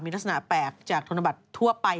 มีลักษณะแปลกจากธนบัตรทั่วไป